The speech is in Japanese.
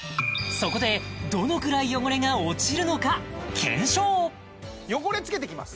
そこでどのくらい汚れが落ちるのか検証汚れつけていきます